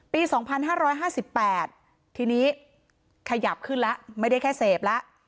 ปี๒๕๕๘ทีนี้ขยับขึ้นแล้วไม่ได้แค่เสพแล้ว